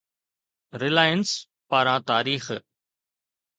Reliance پاران تاريخ